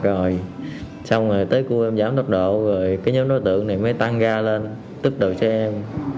rồi xong rồi tới cua em giảm tốc độ rồi cái nhóm đối tượng này mới tăng ga lên tức đầu xe em